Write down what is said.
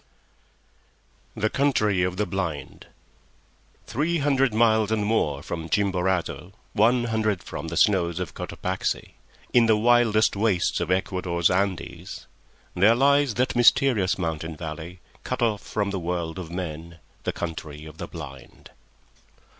THE COUNTRY OF THE BLIND Three hundred miles and more from Chimborazo, one hundred from the snows of Cotopaxi, in the wildest wastes of Ecuador's Andes, there lies that mysterious mountain valley, cut off from all the world of men, the Country of the Blind.